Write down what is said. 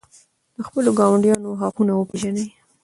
د خپلو ګاونډیانو حقونه وپېژنئ.